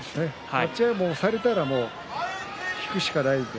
立ち合いで押されたら引くしかない。